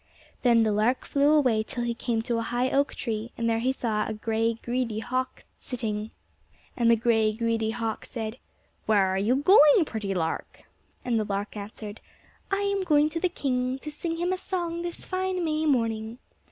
Then the lark flew away till he came to a high oak tree, and there he saw a gray, greedy hawk sitting. And the gray, greedy hawk said, "Where are you going, pretty lark?" And the lark answered, "I am going to the king, to sing him a song this fine May morning."